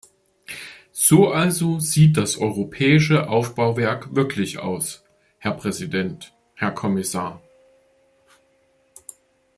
So also sieht das europäische Aufbauwerk wirklich aus, Herr Präsident, Herr Kommissar.